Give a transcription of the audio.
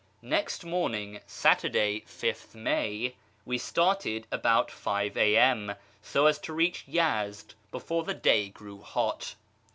Next morning (Saturday, 5th May) we started about 5 A.M., so as to reach Yezd before the day grew hot.